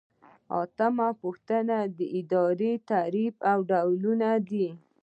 اتمه پوښتنه د ادارې تعریف او ډولونه دي.